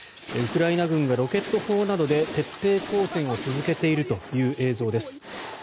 ウクライナ軍がロケット砲などで徹底抗戦を続けているという映像です。